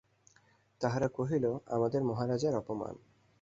তাহারা কহিল, আমাদের মহারাজার অপমান!